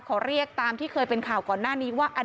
ขอเรียกตามที่เคยเป็นข่าวก่อนหน้านี้ว่า